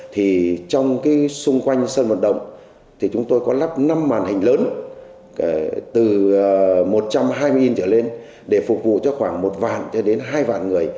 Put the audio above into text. trong xung quanh sân vận động chúng tôi có lắp năm màn hình lớn từ một trăm hai mươi in trở lên để phục vụ cho khoảng một vàn cho đến hai vàn người